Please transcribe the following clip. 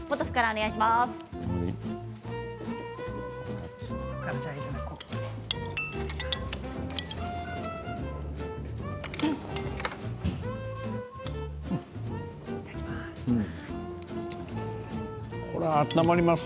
いただきます。